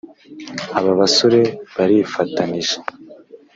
Aba basore barifatanije.